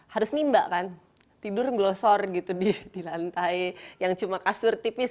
harus nimba kan tidur glosor gitu di lantai yang cuma kasur tipis